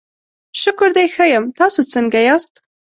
شکر دی، ښه یم، تاسو څنګه یاست؟